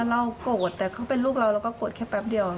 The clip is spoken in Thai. เราโกรธแต่เขาเป็นลูกเราเราก็โกรธแค่แป๊บเดียว